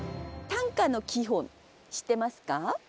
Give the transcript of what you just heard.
短歌の基本知ってますか？